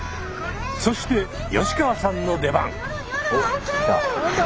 そして吉川さんの出番。